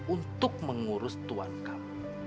untuk mengurus tuan kamu